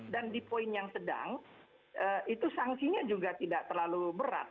dan di poin yang sedang itu sangsinya juga tidak terlalu berat